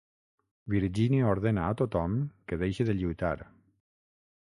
Virgínia ordena a tothom que deixi de lluitar.